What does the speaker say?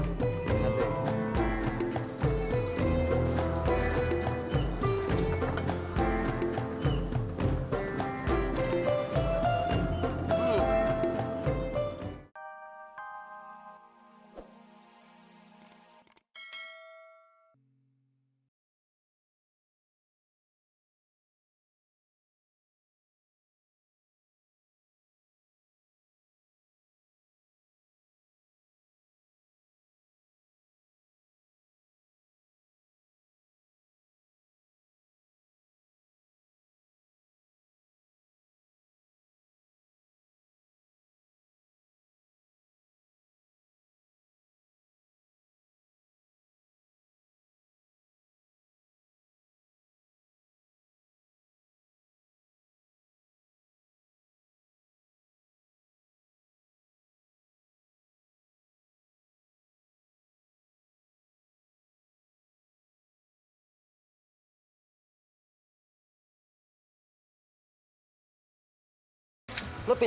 basuhnya satu bang